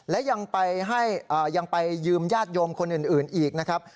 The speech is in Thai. และยังไปยืมญาติโยมคนอื่นอีกนะครับ